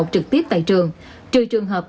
trực tiếp tại trường trừ trường hợp